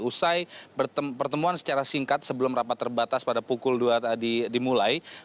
usai pertemuan secara singkat sebelum rapat terbatas pada pukul dua tadi dimulai